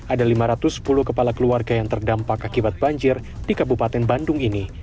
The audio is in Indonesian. ada lima ratus sepuluh kepala keluarga yang terdampak akibat banjir di kabupaten bandung ini